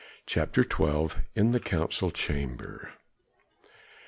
CHAPTER XII. IN THE COUNCIL CHAMBER.